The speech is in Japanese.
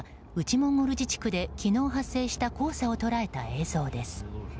モンゴル自治区で昨日発生した黄砂を捉えた映像です。